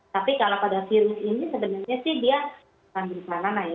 tapi kalau pada virus ini sebenarnya sih dia akan berubah nanah ya